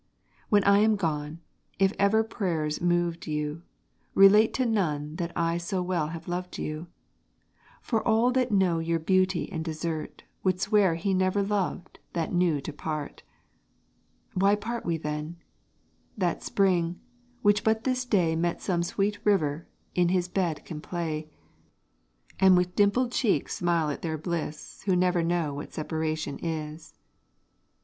When I am gone, if ever prayers moved you, Relate to none that I so well have loved you: For all that know your beauty and desert, Would swear he never loved that knew to part. Why part we then? That spring, which but this day Met some sweet river, in his bed can play, And with a dimpled cheek smile at their bliss, Who never know what separation is.